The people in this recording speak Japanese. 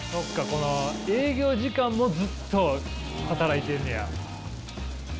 この営業時間もずっと働いてんねや。